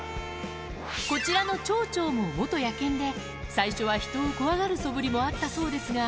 こちらのチョウチョウも元野犬で、最初は人を怖がるそぶりもあったそうですが。